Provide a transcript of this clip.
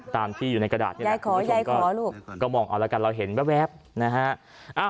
ตามที่อยู่ในกระดาษนี่แหละคุณผู้ชมก็มองออกแล้วกันเราเห็นแวบนะฮะ